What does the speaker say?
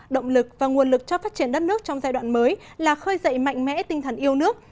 động lực và nguồn lực cho phát triển đất nước trong giai đoạn mới là khơi dậy mạnh mẽ tinh thần yêu nước